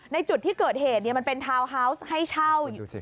ในจุดที่เกิดเหตุมันเป็นทาวน์ฮาวส์ให้เช่า